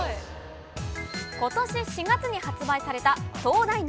ことし４月に発売された東大脳！